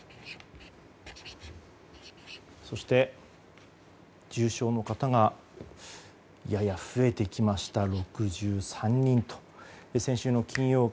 そして、重症の方がやや増えてきました、６３人。